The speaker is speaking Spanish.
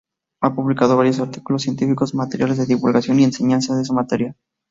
Ha publicado varios artículos científicos, material de divulgación y enseñanza de su materia.